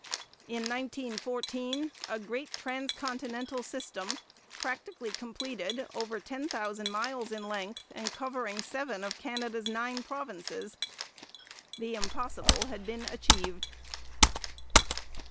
In 1914, a great transcontinental system practically completed, over ten thousand miles in length, and covering seven of Canada's nine provinces! The impossible had been achieved.